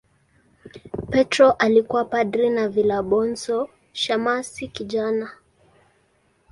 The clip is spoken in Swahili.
Petro alikuwa padri na Valabonso shemasi kijana.